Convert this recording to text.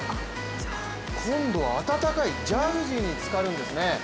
今度は温かいジャグジーにつかるんですね。